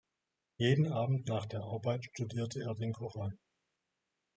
Jeden Abend nach der Arbeit studierte er den Koran.